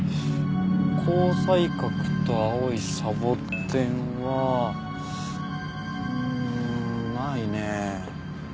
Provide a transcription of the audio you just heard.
紅彩閣と青いサボテンはうんないねえ。